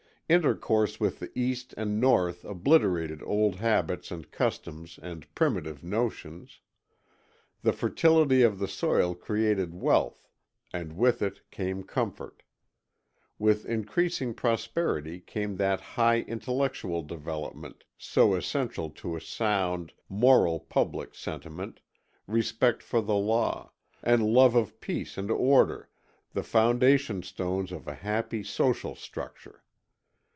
Intercourse with the East and North obliterated old habits and customs and primitive notions. The fertility of the soil created wealth and with it came comfort. With increasing prosperity came that high intellectual development so essential to a sound, moral public sentiment, respect for the law, and love of peace and order, the foundation stones of a happy social structure.